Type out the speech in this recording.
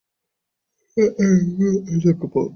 প্রায় এক দশক পার হয়ে গিয়েছে।